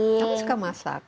kamu suka masak